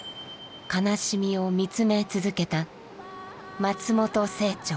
悲しみを見つめ続けた松本清張